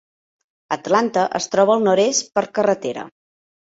Atlanta es troba al nord-est per carretera.